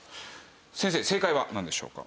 先生正解はなんでしょうか？